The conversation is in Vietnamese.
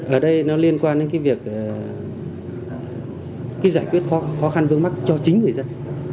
ở đây nó liên quan đến cái việc giải quyết khó khăn vương mắc cho chính người dân